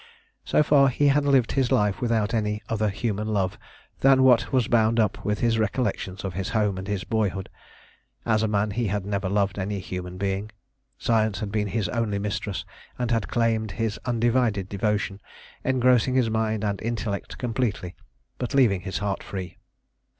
So far he had lived his life without any other human love than what was bound up with his recollections of his home and his boyhood. As a man he had never loved any human being. Science had been his only mistress, and had claimed his undivided devotion, engrossing his mind and intellect completely, but leaving his heart free.